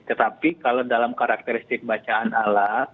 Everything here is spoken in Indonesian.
tetapi kalau dalam karakteristik bacaan ala